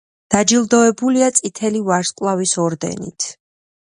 დაჯილდოებულია წითელი ვარსკვლავის ორდენით.